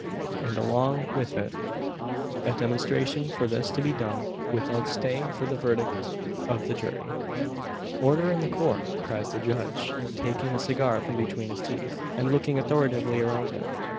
and, along with it, a demonstration for this to be done without staying for the verdict of the jury, "Order in the Court!" cries the judge, taking the cigar from between his teeth, and looking authoritatively around him.